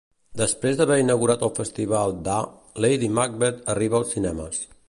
Després d'haver inaugurat el Festival D'A, 'Lady Macbeth' arriba als cinemes.